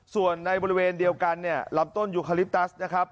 ส่วนในบริเวณเดียวกันเนี่ยลำต้นยูคาลิปตัสนะครับ